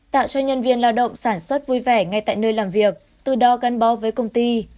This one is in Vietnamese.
tạo cho nhân viên lao động sản xuất vui vẻ ngay tại nơi làm việc từ đó gắn bó với công ty